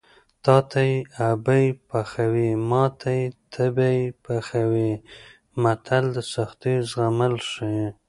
تاته یې ابۍ پخوي ماته یې تبۍ پخوي متل د سختیو زغمل ښيي